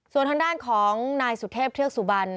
ส่วนทางด้านของนายสุเทพเทือกสุบัน